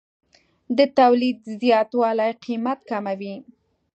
د تولید زیاتوالی قیمت کموي.